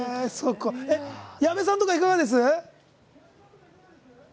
矢部さんとかはいかがです？